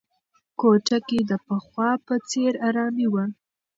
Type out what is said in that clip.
کوټه کې د پخوا په څېر ارامي وه.